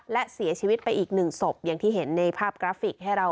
และเสียชีวิตไปอีก๑ศพอย่างที่เห็นในภาพกราฟิก